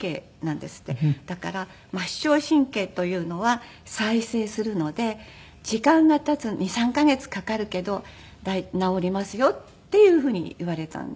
だから末梢神経というのは再生するので時間が経つ「２３カ月かかるけど治りますよ」っていうふうに言われたんですね。